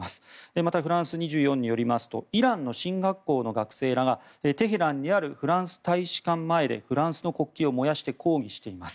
また、フランス２４によりますとイランの神学校の学生らがテヘランにあるフランス大使館前でフランスの国旗を燃やして抗議しています。